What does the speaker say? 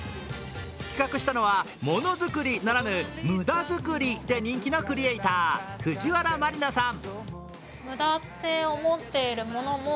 企画したのはモノ作りならぬ無駄作りで人気のクリエイター藤原麻里菜さん。